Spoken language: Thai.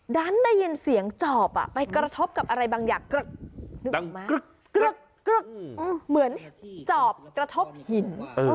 ดันได้ยินเสียงจอบไปกระทบกับอะไรบางอย่างนึกเหมือนจอบกระทบหิน